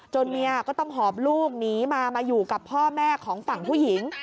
เมียก็ต้องหอบลูกหนีมามาอยู่กับพ่อแม่ของฝั่งผู้หญิง